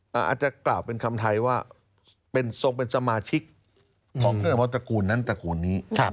ก็อาจจะกล่าวเป็นคำไทว่าเป็นทรงเป็นสมาชิกของเครื่องระดับสูงนั้นส่วนสูงนี้